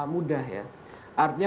mudah ya artinya